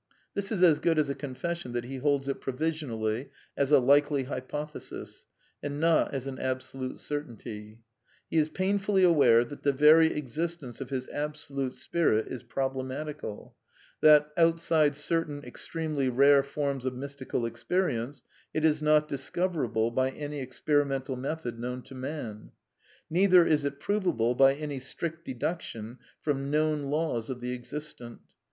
This is as good as a confession that he holds it provision ally, as a likely hypothesis, and not as an absolute cer tainty. He is painfully aware that the very existence of his Absolute Spirit is problematical; that, outside certain extremely rare forms of mystical experience, it is not dis coverable by any experimental method known to man* Neither is it provable by any strict deduction from known laws of the existent.